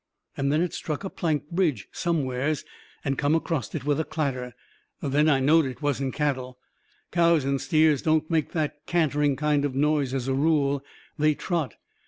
And then it struck a plank bridge somewheres, and come acrost it with a clatter. Then I knowed it wasn't cattle. Cows and steers don't make that cantering kind of noise as a rule; they trot.